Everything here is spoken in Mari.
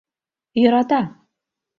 Йӧрата.